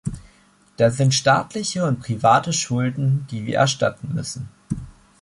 Da sind staatliche und private Schulden, die wir erstatten müssen.